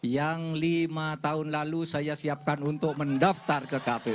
yang lima tahun lalu saya siapkan untuk mendaftar ke kpu